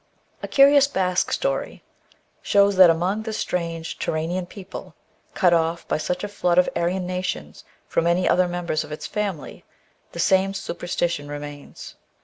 A curious Basque story shows that among this strange Turanian people, cut off by such a flood of Aryan nations from any other members of its family, the same superstition remains.